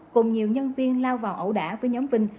cùng nhiều nhân viên lao vào ẩu đả với nhóm vinh